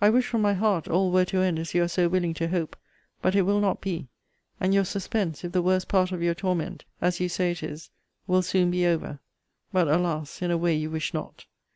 I wish from my heart all were to end as you are so willing to hope: but it will not be; and your suspense, if the worst part of your torment, as you say it is, will soon be over; but, alas! in a way you wish not.